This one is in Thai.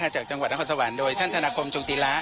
จากจังหวัดนครสวรรค์โดยท่านธนาคมจงตีระ